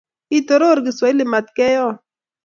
Ngitoror kiswahili matkeyon